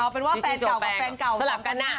เป็นว่าแฟนเก่ากับแฟนเก่าสลับกันนะ